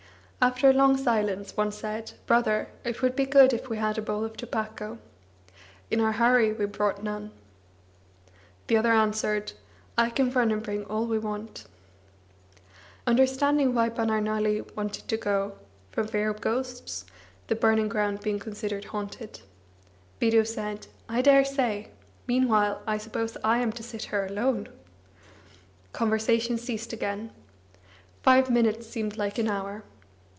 After a long silence, one said: "Brother, it would be good if we had a bowl of tobacco. In our hurry we brought none." The other answered: "I can run and bring all we want." Understanding why Banarnali wanted to go (From fear of ghosts, the burning ground being considered haunted.), Bidhu said: "I daresay! Meanwhile, I suppose I am to sit here alone!" Conversation ceased again. Five minutes seemed like an hour.